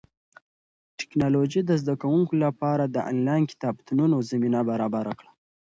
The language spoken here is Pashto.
ټیکنالوژي د زده کوونکو لپاره د انلاین کتابتونونو زمینه برابره کړه.